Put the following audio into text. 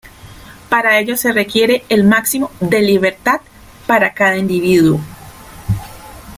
Para ello se requiere el máximo de libertad para cada individuo.